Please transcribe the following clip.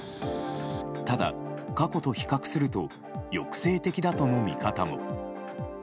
ただ、過去と比較すると抑制的だとの見方も。